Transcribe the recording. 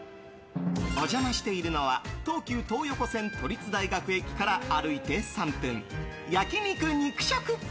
お邪魔しているのは東急東横線都立大学駅から歩いて３分焼肉肉食。